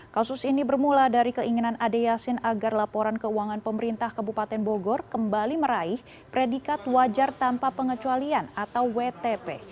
kasus ini bermula dari keinginan ade yasin agar laporan keuangan pemerintah kabupaten bogor kembali meraih predikat wajar tanpa pengecualian atau wtp